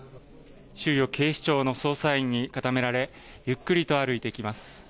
周囲を警視庁の捜査員に固められゆっくりと歩いていきます。